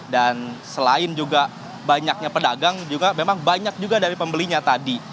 selain juga banyaknya pedagang juga memang banyak juga dari pembelinya tadi